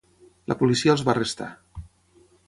La policia els va arrestar.